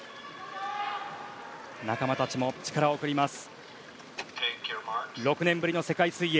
仲間たちも力を送ります。